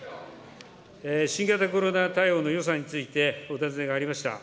新型コロナ対応の予算についてお尋ねがありました。